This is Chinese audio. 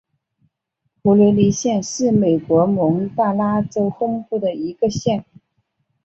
普雷里县是美国蒙大拿州东部的一个县。